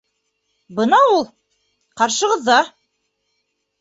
Бына ул. Ҡаршығыҙҙа.